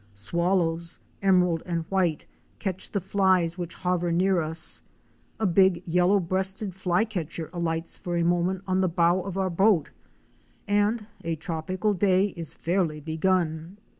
Swallows,' emerald and white, catch the flies which hover near us; a big yellow breasted Flycatcher alights for a moment on the bow of our boat — and a tropical day is fairly begun.